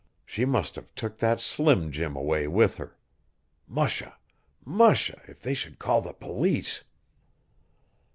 She must have took that Slim Jim away with her. Musha! Musha! If they should call the police.